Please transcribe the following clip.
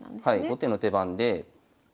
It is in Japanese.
後手の手番で。